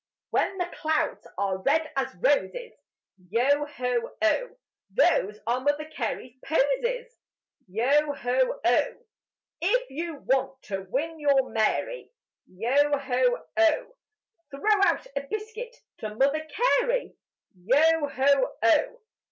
When the clouds are red as roses, Yo ho oh! Those are Mother Carey's posies: Yo ho oh! If you want to win your Mary, Yo ho oh! Throw out a biscuit to Mother Carey: Yo ho oh!